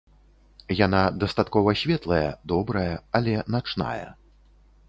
Яна дастаткова светлая, добрая, але начная.